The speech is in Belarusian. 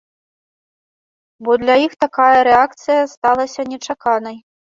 Бо для іх такая рэакцыя сталася нечаканай.